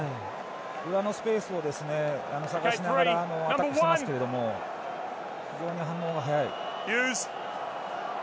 裏のスペースを探しながらアタックしてますけども非常に反応が早い。